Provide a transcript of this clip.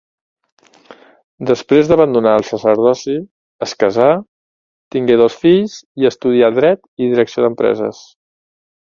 Després d'abandonar el sacerdoci, es casà, tingué dos fills i estudià Dret i Direcció d'empreses.